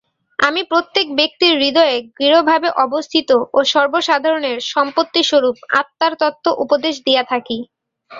আমি প্রত্যেক ব্যক্তির হৃদয়ে গূঢ়ভাবে অবস্থিত ও সর্বসাধারণের সম্পত্তিস্বরূপ আত্মার তত্ত্ব উপদেশ দিয়া থাকি।